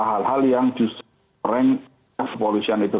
hal hal yang justru prank kepolisian itu